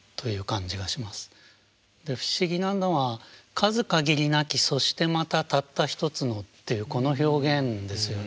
不思議なのは「数かぎりなきそしてまたたつた一つの」っていうこの表現ですよね